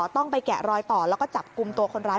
ต้องไปแกะรอยต่อแล้วก็จับกลุ่มตัวคนร้าย